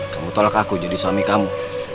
kamu tolak aku jadi suami kamu